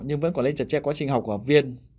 nhưng vẫn quản lý chặt chẽ quá trình học của học viên